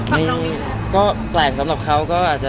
กินแผ่งเรานะภักษ์